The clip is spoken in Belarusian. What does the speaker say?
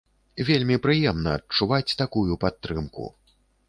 Вельмі прыемна адчуваць такую падтрымку.